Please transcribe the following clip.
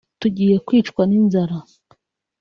tugiye kwicwa n’inzara